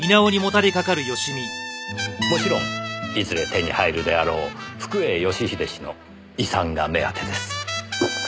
もちろんいずれ手に入るであろう福栄義英氏の遺産が目当てです。